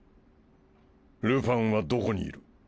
ルパンはどこにいる？